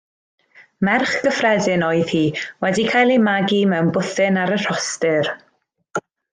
Merch gyffredin oedd hi wedi cael ei magu mewn bwthyn ar y rhostir.